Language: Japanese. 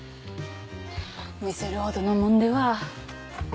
見せるほどのもんでは。